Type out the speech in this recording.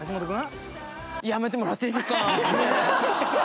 やめてもらっていいですか？